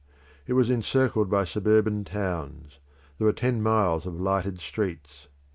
It was encircled by suburban towns; there were ten miles of lighted streets.